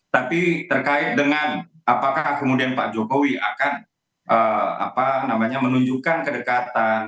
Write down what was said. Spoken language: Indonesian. tapi terkait dengan apakah kemudian pak jokowi akan menunjukkan kedekatan